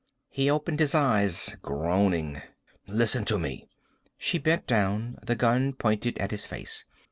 He opened his eyes, groaning. "Listen to me." She bent down, the gun pointed at his face.